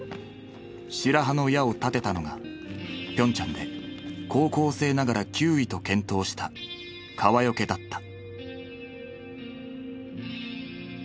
白羽の矢を立てたのがピョンチャンで高校生ながら９位と健闘した川除だった。